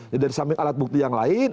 jadi dari samping alat bukti yang lain